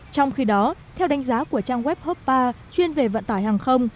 trong khi đó theo đánh giá của trang web hppa chuyên về vận tải hàng không